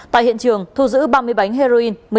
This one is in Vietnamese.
tại hiện trường thu giữ ba mươi bánh heroin